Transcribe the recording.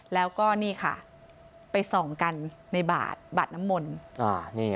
แล้วก็นี่ค่ะไปส่องกันในบาทบาดน้ำมนต์